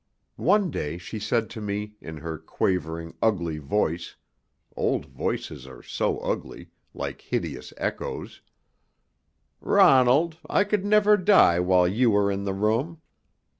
One day she said to me, in her quavering, ugly voice old voices are so ugly, like hideous echoes: "Ronald, I could never die while you were in the room.